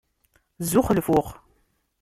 Zzux, lfux!